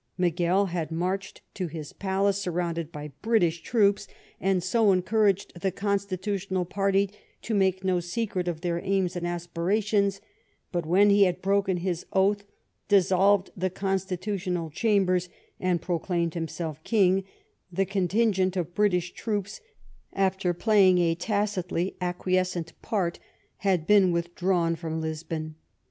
Miguel had marched to his palace surrounded by British troops, and so encouraged the 28 LIFE OF VISCOUNT PALMFB8T0N. constitutional party to make no secret of their aims and aspirations ; but when he had broken his oath, dissolved the constitutional chambers, and proclaimed himself king, the contingent of British troops, after playing a tacidy acquiescent part, had been withdrawn from Lisbon.